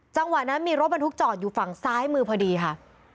จังหวะนั้นมีรถบรรทุกจอดอยู่ฝั่งซ้ายมือพอดีค่ะ